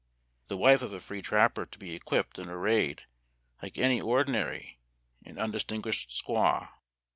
The wife of a free trapper to be equipped and arrayed like any ordinary and undistinguished squaw